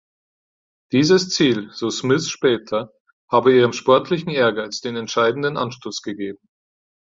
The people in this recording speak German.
Dieses Ziel, so Smith später, habe ihrem sportlichen Ehrgeiz den entscheidenden Anstoß gegeben.